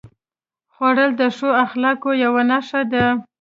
خوړل د ښو اخلاقو یوه نښه ده